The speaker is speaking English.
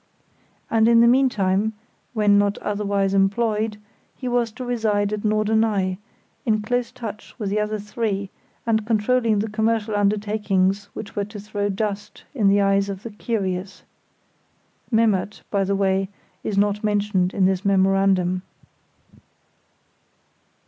And in the meantime (when not otherwise employed) he was to reside at Norderney, in close touch with the other three, and controlling the commercial undertakings which were to throw dust in the eyes of the curious. [Memmert, by the way, is not mentioned in this memorandum.